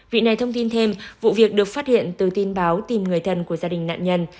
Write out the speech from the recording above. vị này thông tin thêm vụ việc được phát hiện từ tin báo tìm người thân của gia đình nạn nhân